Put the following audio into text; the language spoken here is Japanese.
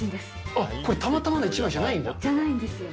あっ、これ、たまたまの一枚じゃないんですよ。